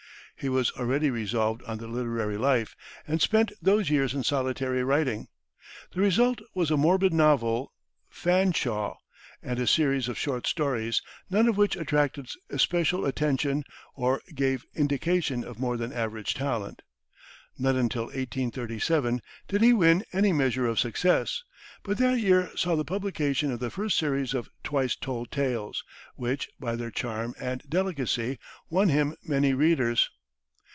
He was already resolved on the literary life, and spent those years in solitary writing. The result was a morbid novel, "Fanshawe," and a series of short stories, none of which attracted especial attention or gave indication of more than average talent. Not until 1837 did he win any measure of success, but that year saw the publication of the first series of "Twice Told Tales," which, by their charm and delicacy, won him many readers.